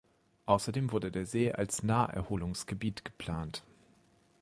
Außerdem wurde der See als Naherholungsgebiet geplant.